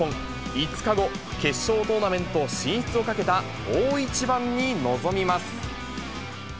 ５日後、決勝トーナメント進出をかけた大一番に臨みます。